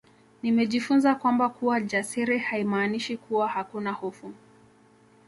Nimejifunza kwamba kuwa jasiri haimaanishi kuwa hakuna hofu